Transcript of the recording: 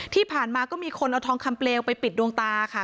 ที่ผ่านมาก็มีคนเอาทองคำเปลวไปปิดดวงตาค่ะ